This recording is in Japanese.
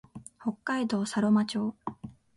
北海道佐呂間町